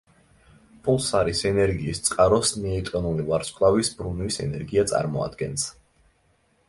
პულსარის ენერგიის წყაროს ნეიტრონული ვარსკვლავის ბრუნვის ენერგია წარმოადგენს.